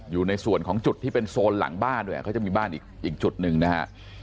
อยู่ในส่วนของจุดที่เป็นโซนหลังบ้านด้วยเขาจะมีบ้านอีกจุดหนึ่งนะฮะ